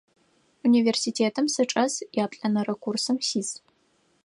Университетым сычӏэс, яплӏэнэрэ курсым сис.